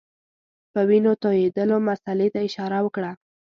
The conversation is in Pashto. د وینو تویېدلو مسلې ته اشاره وکړه.